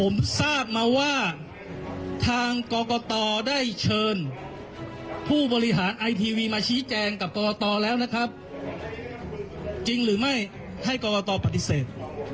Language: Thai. และก็ไม่ได้ให้กรกตปฏิเสธ